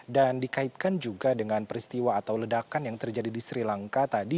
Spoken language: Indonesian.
dan dikaitkan juga dengan peristiwa atau ledakan yang terjadi di sri lanka tadi